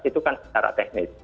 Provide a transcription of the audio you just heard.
itu kan secara teknis